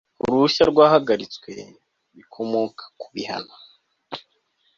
uruhushya rwahagaritswe bikomoka ku bihano